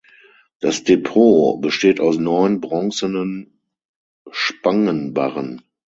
Das Depot besteht aus neun bronzenen Spangenbarren.